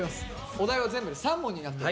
お題は全部で３問になっております。